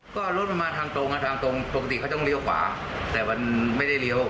ก็รถมันมาทางตรงทางตรงปกติเขาต้องเลี้ยวขวาแต่มันไม่ได้เลี้ยว